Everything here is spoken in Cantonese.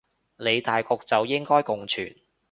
理大局就應該共存